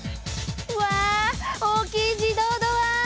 うわ大きい自動ドア！